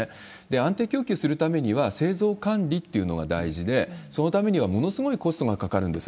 安定供給するためには、製造管理っていうのが大事で、そのためにはものすごいコストがかかるんです。